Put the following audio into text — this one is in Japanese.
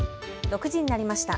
６時になりました。